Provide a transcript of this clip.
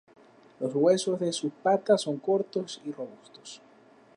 Los huesos de sus patas son cortos y robustos.